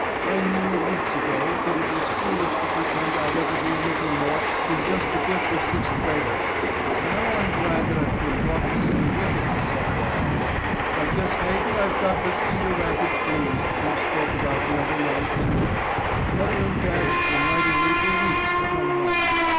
I knew weeks ago that it was foolish to pretend I'd ever be anything more than just a fifth or sixth rater and now I'm glad that I've been brought to see the wickedness of it all. I guess maybe I've got the "Cedar Rapids blues" you spoke about the other night, too. Mother and dad have been writing me for weeks to come home.